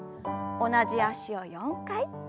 同じ脚を４回。